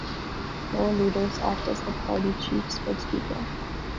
Floor leaders act as the party chief spokespeople.